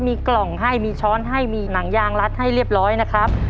มีกล่องให้มีช้อนให้มีหนังยางรัดให้เรียบร้อยนะครับ